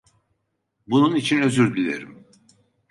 Bunun için özür dilerim.